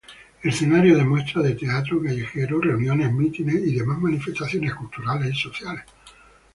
Escenario de muestras de teatro callejero, reuniones, mítines y demás manifestaciones culturales y sociales.